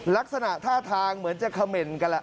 ลักษณะท่าทางเหมือนจะเขม่นกันแหละ